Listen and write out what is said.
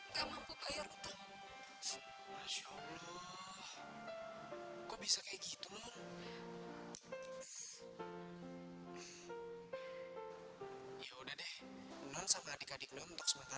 kamu beres beres sedikit ya